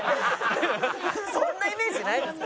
そんなイメージないですよ